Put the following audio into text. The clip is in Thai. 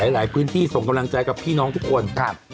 หลายพื้นที่ส่งกำลังใจกับพี่น้องทุกคน